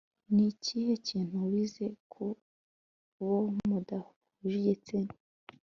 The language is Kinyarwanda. ni ikihe kintu wize ku bo mudahuje igitsina